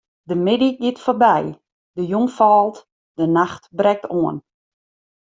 De middei giet foarby, de jûn falt, de nacht brekt oan.